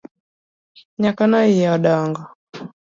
Nyakono iye odongo?